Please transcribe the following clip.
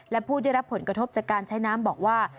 และผู้ได้รับผลกระทบจากการใช้น้ำบอกว่า